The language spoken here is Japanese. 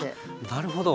なるほど。